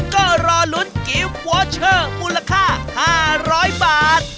ก็รอลุ้นกิฟต์วอเชอร์มูลค่า๕๐๐บาท